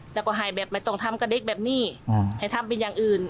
แล้วก็ให้แบบไม่ต้องทำกับเด็กแบบนี้ให้ทำเป็นอย่างอื่น